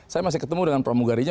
saya masih ketemu dengan pramugarijo